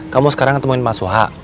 kamu sekarang ketemuin mas wahha